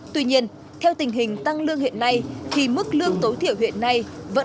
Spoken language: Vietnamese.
tuy nhiên theo tình hình tăng lương hiện nay thì mức lương tối thiểu hiện nay vẫn